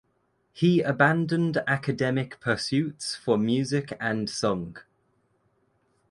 He abandoned academic pursuits for music and song.